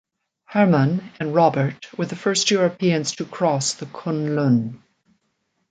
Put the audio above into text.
Hermann and Robert were the first Europeans to cross the Kunlun.